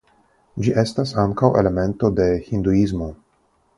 Ĝi estas ankaŭ elemento de Hinduismo.